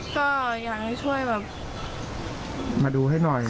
ก็อยากให้ช่วยแบบมาดูให้หน่อย